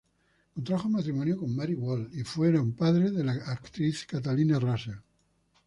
Contrajo matrimonio con Mary Wall y fueron padres de la actriz Catalina Russell.